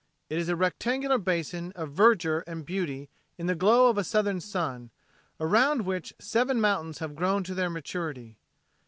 It is a rectangular basin of verdure and beauty in the glow of a Southern sun, around which seven mountains have grown to their maturity.